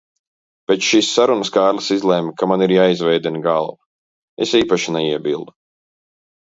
Pēc šīs sarunas Kārlis izlēma, ka man ir jāizvēdina galva. Es īpaši neiebildu.